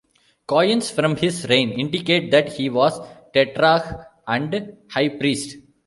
Coins from his reign indicate that he was "tetrarch and high priest".